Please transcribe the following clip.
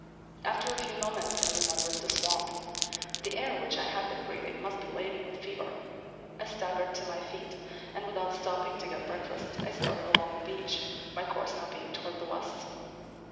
After a few moments I remembered the swamp. The air which I had been breathing must be laden with fever. I staggered to my feet and, without stopping to get breakfast, I started along the beach, my course now being toward the west.